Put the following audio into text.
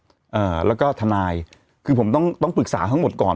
อ่าแล้วก็ทนายคือผมต้องต้องปรึกษาทั้งหมดก่อน